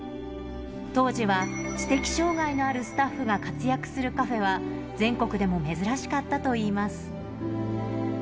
当時は知的障がいのあるスタッフが活躍するカフェは全国でも珍しかったといいます。